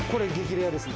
レアですね。